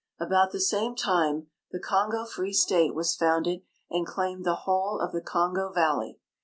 About the same time the Kongo Free State was founded and claimed the whole of the Kongo valley.